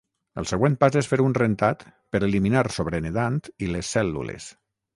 El següent pas és fer un rentat per eliminar sobrenedant i les cèl·lules.